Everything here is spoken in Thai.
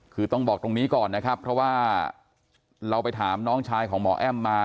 คือต้องบอกตรงนี้ก่อนนะครับเพราะว่าเราไปถามน้องชายของหมอแอ้มมา